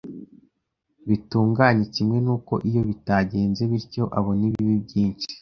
bitunganye kimwe n’uko iyo bitagenze bityo abona ibibi byinshi.